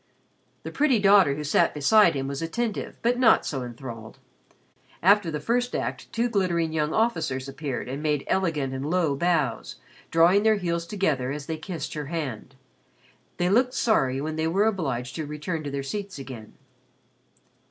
The pretty daughter who sat beside him was attentive but not so enthralled. After the first act two glittering young officers appeared and made elegant and low bows, drawing their heels together as they kissed her hand. They looked sorry when they were obliged to return to their seats again.